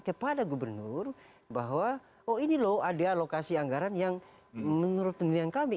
kepada gubernur bahwa oh ini loh ada alokasi anggaran yang menurut pendirian kami